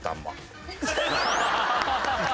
ハハハハ！